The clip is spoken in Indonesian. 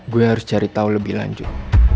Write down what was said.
gue harus cari tahu lebih lanjut